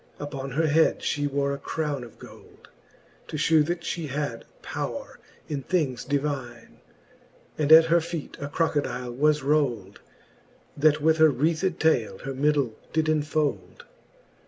Uppon her head fhe wore a crowne of gold, To ftiew, that fhe had powre in things divine ; And at her feete a crocodile was rold, That with her wreathed taile her middle did enfold.